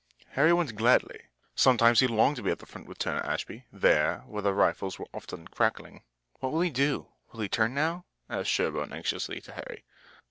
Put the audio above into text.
Harry went gladly. Sometimes he longed to be at the front with Turner Ashby, there where the rifles were often crackling. "What will he do? Will he turn now?" said Sherburne anxiously to Harry.